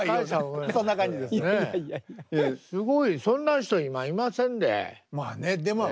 そんな人今いませんで。